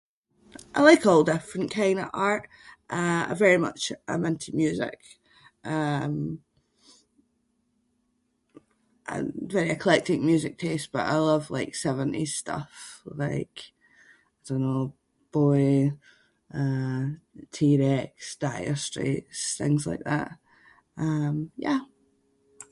I like all different kind of art. Uh I very much am into music. Um, a very eclectic music taste but I love like seventies stuff like, I don’t know, Bowie, uh T. Rex, Dire Straits, things like that. Um, yeah.